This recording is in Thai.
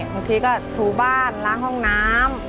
บางทีก็ถูบ้านล้างห้องน้ำ